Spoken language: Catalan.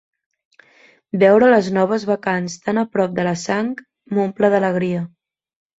Veure les noves bacants tan a prop de la sang m'omple d'alegria.